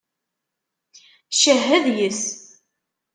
Cehhed yes-s!